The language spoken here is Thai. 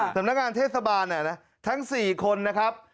สำนักงานเทศบาลทั้ง๔คนนะครับ